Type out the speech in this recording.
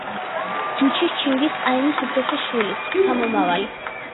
ჯუჩის, ჩინგიზ-ყაენის უფროსი შვილის, შთამომავალი.